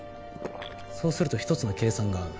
そうすると一つの計算が合う。